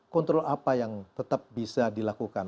kontrol apa yang tetap bisa dilakukan